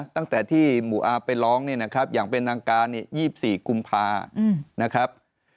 ตั้งแต่ที่หมู่อาร์มไปร้องอย่างเป็นทางการ๒๔กุมภานะครับ